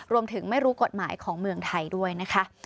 รวมถึงไม่รู้กฎหมายของเมืองไทยด้วยนะคะ